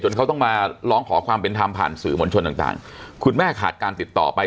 เขาต้องมาร้องขอความเป็นธรรมผ่านสื่อมวลชนต่างต่างคุณแม่ขาดการติดต่อไป